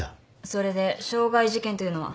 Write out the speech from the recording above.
それで傷害事件というのは？